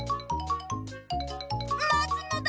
まつのだ！